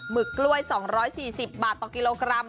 ึกกล้วย๒๔๐บาทต่อกิโลกรัม